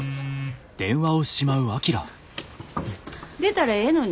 出たらええのに。